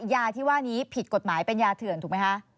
ยาที่ว่านี้ผิดกฎหมายเป็นยาเถื่อนถูกไหมคะ